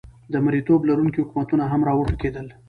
د مریتوب لرونکي حکومتونه هم را وټوکېدل.